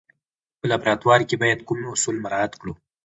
په لابراتوار کې باید کوم اصول مراعات کړو.